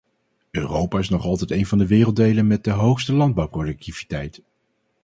Europa is nog altijd een van de werelddelen met de hoogste landbouwproductiviteit.